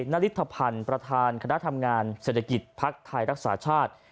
นฤทธภัณฑ์ประธานคณะทำงานเศรษฐกิจภักดิ์ไทยรักษาชาติ